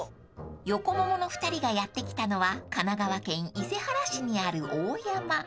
［横ももの２人がやって来たのは神奈川県伊勢原市にある大山］